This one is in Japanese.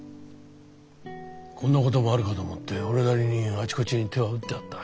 こんなこともあるかと思って俺なりにあちこちに手は打ってあった。